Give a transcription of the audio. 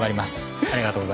ありがとうございます。